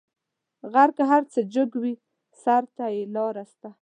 غر که هر څو جګ وي؛ سر ته یې لار سته.